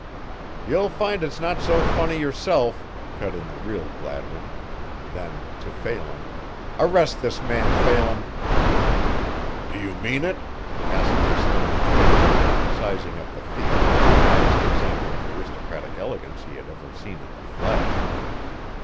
"You'll find it's not so funny yourself," cut in the real Gladwin. Then to Phelan, "Arrest this man, Phelan." "Do you mean it?" asked the astonished Phelan, sizing up the thief as the highest example of aristocratic elegance he had ever seen in the flesh.